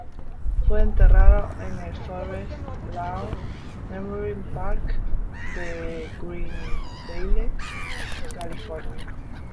Fue enterrada en el Forest Lawn Memorial Park de Glendale, California.